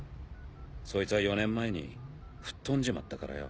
そいつは４年前に吹っ飛んじまったからよ。